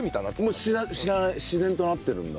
もう自然となってるんだ。